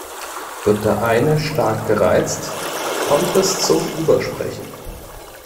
Wird der eine stark gereizt, kommt es zum Übersprechen.